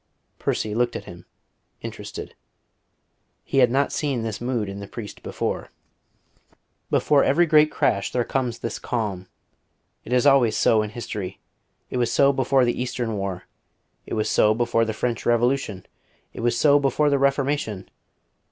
Percy looked at him, interested. He had not seen this mood in the priest before. "Before every great crash there comes this calm. It is always so in history. It was so before the Eastern War; it was so before the French Revolution. It was so before the Reformation.